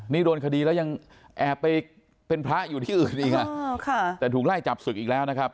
นี่โดนคดีแล้วยังแอบไปเป็นพระอยู่ที่อื่นอีกแต่ถูกไล่จับศึกอีกแล้วนะครับ